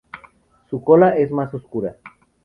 Su cola es más oscura.